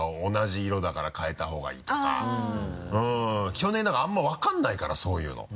基本的にあんまり分からないからそういうの。